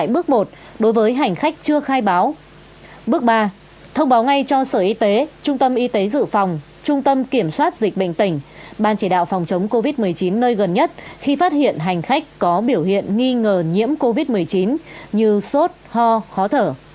bước ba thông báo ngay cho sở y tế trung tâm y tế dự phòng trung tâm kiểm soát dịch bệnh tỉnh ban chỉ đạo phòng chống covid một mươi chín nơi gần nhất khi phát hiện hành khách có biểu hiện nghi ngờ nhiễm covid một mươi chín như sốt ho khó thở